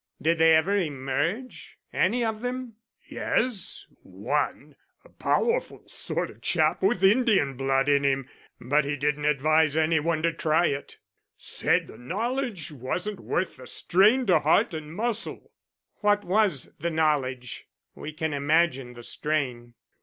"Did they ever emerge any of them?" "Yes, one, a powerful sort of chap with Indian blood in him. But he didn't advise any one to try it; said the knowledge wasn't worth the strain to heart and muscle." "What was the knowledge? We can imagine the strain."